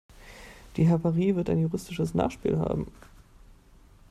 Die Havarie wird ein juristisches Nachspiel haben.